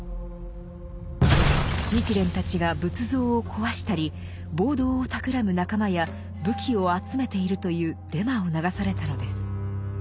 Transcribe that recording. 日蓮たちが仏像を壊したり暴動をたくらむ仲間や武器を集めているというデマを流されたのです。